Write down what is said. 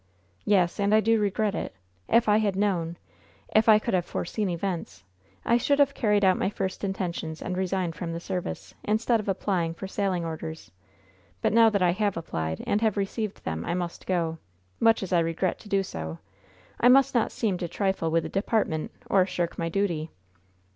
"Yes; and I do regret it. If I had known if I could have foreseen events I should have carried out my first intentions, and resigned from the service, instead of applying for sailing orders; but now that I have applied, and have received them, I must go, much as I regret to do so. I must not seem to trifle with the department or shirk my duty."